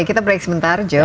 oke kita break sebentar jo